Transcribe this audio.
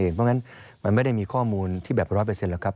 เพราะฉะนั้นมันไม่ได้มีข้อมูลที่แบบ๑๐๐หรอกครับ